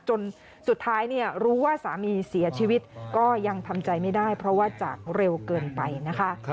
จนสุดท้ายรู้ว่าสามีเสียชีวิตก็ยังทำใจไม่ได้เพราะว่าจากเร็วเกินไปนะคะ